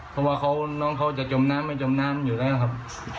เพราะว่าน้องเขาจะจมน้ำไม่จมน้ำอยู่แล้วนะครับ